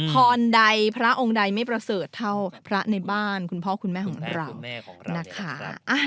พรใดพระองค์ใดไม่ประเสริฐเท่าพระในบ้านคุณพ่อคุณแม่ของเรานะคะ